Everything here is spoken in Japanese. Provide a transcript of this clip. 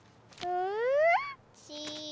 うん？